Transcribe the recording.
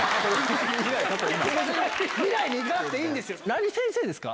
未来に行かなくていいんですよ。